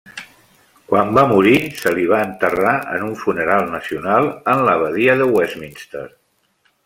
Quan va morir, se li va enterrar en un funeral nacional en l'Abadia de Westminster.